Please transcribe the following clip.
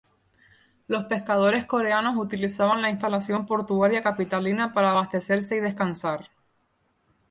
Los pescadores coreanos utilizaban la instalación portuaria capitalina para abastecerse y descansar.